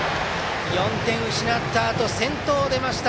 ４点を失ったあと先頭が出ました